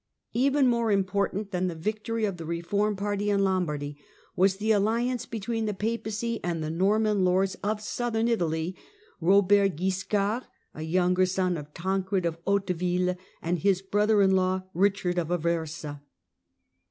Even more important than the victory of the reform party in Lombardy was the alliance between the Papacy and the Norman lords of southern Italy, Eobert Guiscard, a younger son of Tancred of Hauteville, and his brother in law, Eichard of Aversa.